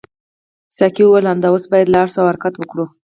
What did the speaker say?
ساقي وویل همدا اوس باید لاړ شو او حرکت وکړو.